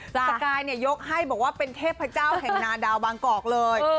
สกายยกให้บอกว่าเป็นเทพเจ้าแห่งนาดาวบางกอกเลย